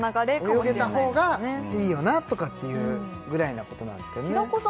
泳げたほうがいいよなとかっていうぐらいなことなんですけどね平子さん